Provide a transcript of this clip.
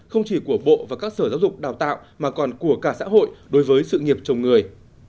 không chỉ của bộ và các sở giáo dục đào tạo mà còn của cả xã hội đối với sự nghiệp chồng người